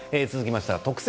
「特選！